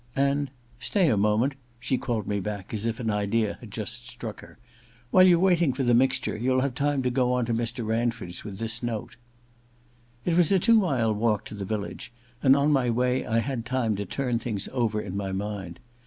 * And — stay a moment '— she called me back as if an idea had just struck her —• while you're waiting for the mixture, you'U have time to go on to Mr. Ranford's with this note.' It was a two mile walk to the village, and on my way I had time to turn things over in my mind.